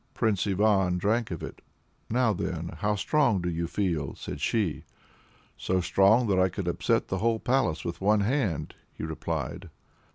Prince Ivan drank of it. "Now then, how strong do you feel?" said she. "So strong that I could upset the whole palace with one hand," he replied.